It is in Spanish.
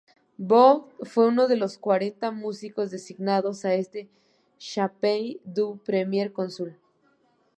Vogt fue uno de los cuarenta músicos designados a este "Chapelle du Premier Cónsul.